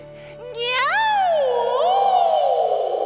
ニャオ！